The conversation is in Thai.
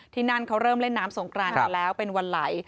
ที่นั่นเขาเริ่มเล่นน้ำสงกรานกันแล้วเป็นวันไหล